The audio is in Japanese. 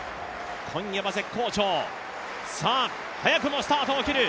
今夜は絶好調、早くもスタートを切る。